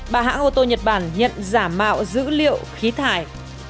bà hãng ô tô nhật bản nhận giả mạo dữ liệu khí thải